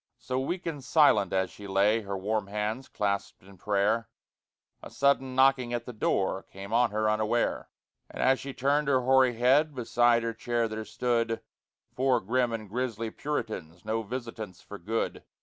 So weak and silent as she lay, Her warm hands clasped in prayer, A sudden knocking at the door Came on her unaware. And as she turned her hoary head, Beside her chair there stood Four grim and grisly Puritans No visitants for good.